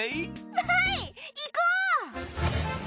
わい行こう！